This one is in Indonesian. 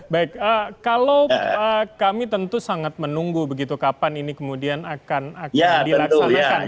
baik kalau kami tentu sangat menunggu begitu kapan ini kemudian akan dilaksanakan